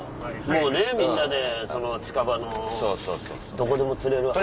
もうねみんなで近場のどこでも釣れるハタを。